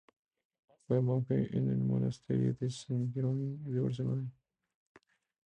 Fue monje en el monasterio de Sant Jeroni de Barcelona.